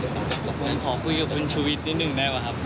ผมขอคุยกับคุณชุวิตนิดนึงได้ไหมครับ